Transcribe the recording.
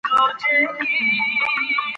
په ټولګي کې د پوښتنې حق سته.